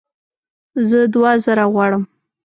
زه دوه زره غواړم